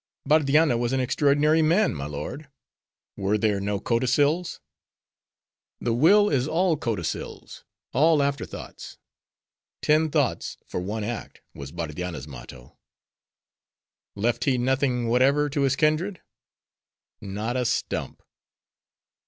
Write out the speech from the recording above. "Bardianna was an extraordinary man, my lord." "Were there no codicils?" "The will is all codicils; all after thoughts; Ten thoughts for one act, was Bardianna's motto." "Left he nothing whatever to his kindred?" "Not a stump."